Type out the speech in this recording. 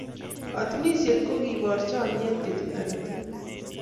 Katunisyet ko keboor chomnyet betut age tugul.